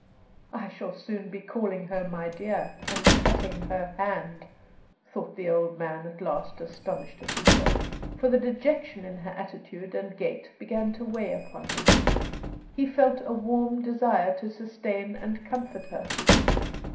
"I shall soon be calling her 'my dear' and patting her hand," thought the old man, at last, astonished at himself. For the dejection in her attitude and gait began to weigh upon him; he felt a warm desire to sustain and comfort her.